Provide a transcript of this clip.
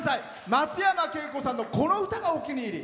松山恵子さんのこの歌がお気に入り。